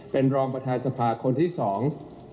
เป็นรองประธานสภาคนที่สอง